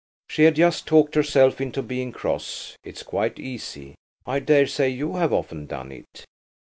She had just talked herself into being cross. It's quite easy. I daresay you have often done it.